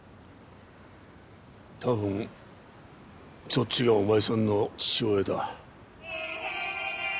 多分そっちがお前さんの父親だ。